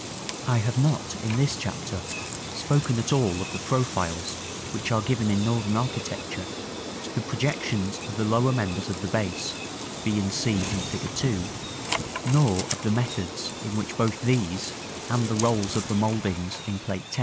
§ XIX. I have not in this chapter spoken at all of the profiles which are given in Northern architecture to the projections of the lower members of the base, b and c in Fig. II., nor of the methods in which both these, and the rolls of the mouldings in Plate X.